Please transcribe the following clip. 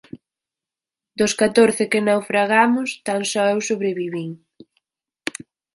Dos catorce que naufragamos, tan só eu sobrevivín.